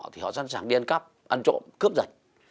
thì họ sẵn sàng đi ăn cắp ăn trộm cướp giành